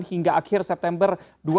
hingga akhir september dua ribu dua puluh